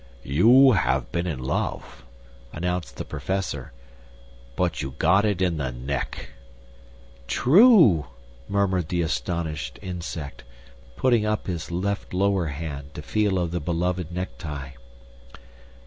"You have been in love," announced the Professor; "but you got it in the neck." "True!" murmured the astonished Insect, putting up his left lower hand to feel of the beloved necktie.